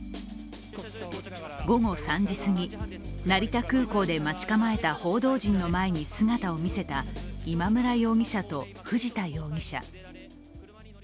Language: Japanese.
午後３時すぎ、成田空港で待ち構えた報道陣の前に姿を見せた今村容疑者と藤田容疑者。